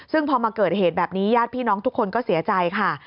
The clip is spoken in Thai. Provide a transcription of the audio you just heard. ซึ่งพอมาเกิดเหตุแบบนี้ญาติพี่น้องทุกคนก็เสียใจค่ะ